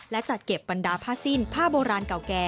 และจัดเก็บบรรดาผ้าสิ้นผ้าโบราณเก่าแก่